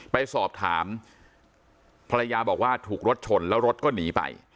ไปสอบถามภรรยาบอกว่าถูกรถชนแล้วรถก็หนีไป